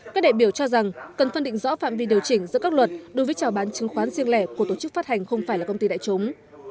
các đại biểu cho rằng cần phân định rõ phạm vi điều chỉnh giữa các luật đối với trào bán chứng khoán riêng lẻ của tổ chức phát hành không phải là công ty đại chúng